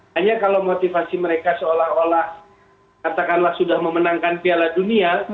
hanya kalau motivasi mereka seolah olah katakanlah sudah memenangkan piala dunia